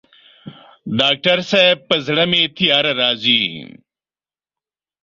ډاکټر صاحب په زړه مي تیاره راځي